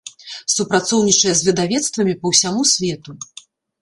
Супрацоўнічае з выдавецтвамі па ўсяму свету.